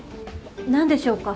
何でしょうか？